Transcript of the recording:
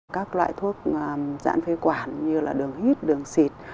các loại thuốc dãn phế quản như là đường hít đường xịt